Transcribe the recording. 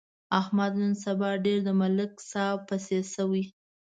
احمد نن سبا ډېر د ملک صاحب پسې شوی.